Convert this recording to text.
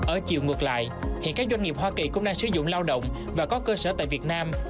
ở chiều ngược lại hiện các doanh nghiệp hoa kỳ cũng đang sử dụng lao động và có cơ sở tại việt nam